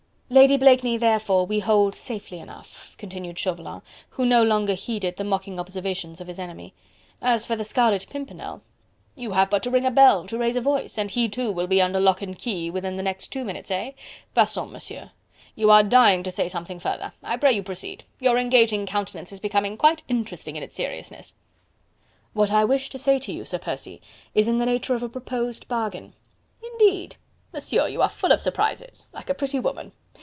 "Lady Blakeney, therefore, we hold safely enough," continued Chauvelin, who no longer heeded the mocking observations of his enemy; "as for the Scarlet Pimpernel..." "You have but to ring a bell, to raise a voice, and he too will be under lock and key within the next two minutes, eh?... Passons, Monsieur... you are dying to say something further... I pray you proceed... your engaging countenance is becoming quite interesting in its seriousness." "What I wish to say to you, Sir Percy, is in the nature of a proposed bargain." "Indeed?... Monsieur, you are full of surprises... like a pretty woman....